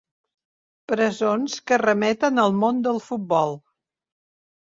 Presons que remeten al món del futbol.